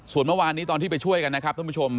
ส่วนเมื่อวานนี้ตอนที่ไปช่วยกันนะครับท่านผู้ชม